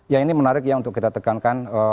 ya ini menarik ya untuk kita tekankan